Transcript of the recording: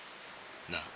なあ。